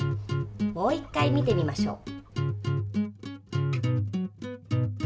もう１回見てみましょう。